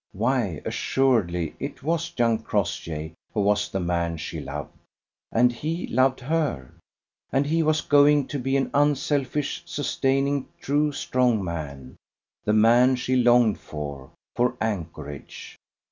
Why, assuredly it was young Crossjay who was the man she loved. And he loved her. And he was going to be an unselfish, sustaining, true, strong man, the man she longed for, for anchorage.